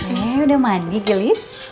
neng udah mandi gilis